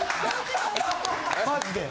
マジで。